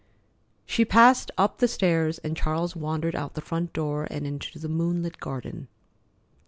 She passed up the stairs, and Charles wandered out the front door and into the moonlit garden.